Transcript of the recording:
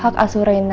hak asuh rena